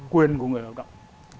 quyền của người lao động